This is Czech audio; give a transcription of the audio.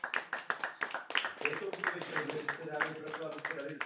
Dále pokračuje po východním svahu zpět k jihu jen špatně sjízdná polní cesta.